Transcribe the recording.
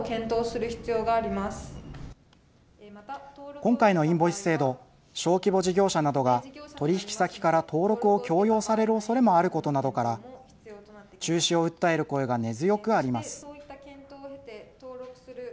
今回のインボイス制度、小規模事業者などが取引先から登録を強要されるおそれもあることなどから中止を訴える声が根強くあります。